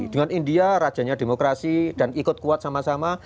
dengan india rajanya demokrasi dan ikut kuat sama sama